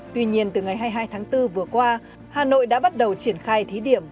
tuy nhiên từ ngày hai mươi hai tháng bốn vừa qua hà nội đã bắt đầu triển khai thí điểm